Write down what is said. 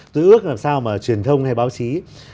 tôi ước làm sao mà truyền thông hay báo chí